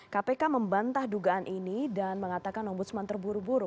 kpk membantah dugaan ini dan mengatakan ombudsman terburu buru